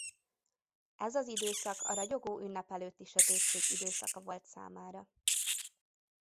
Ez az időszak a ragyogó ünnep előtti sötétség időszaka volt számára.